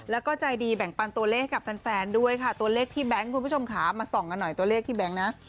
แล้วก็ใจดีแบ่งปันตัวเลขให้กับแฟนด้วยค่ะตัวเลขพี่แบงค์คุณผู้ชมค่ะมาส่องกันหน่อยตัวเลขพี่แบงค์นะ